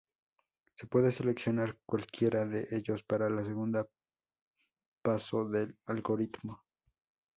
Se puede seleccionar cualquiera de ellos para la segunda paso del algoritmo.